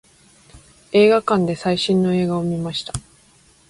映画館で最新の映画を見ました。